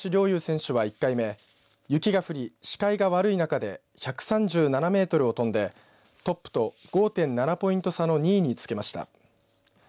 侑選手は、１回目雪が降り視界が悪い中で１３７メートルを飛んでトップと５．７ポイント差の２位につけました。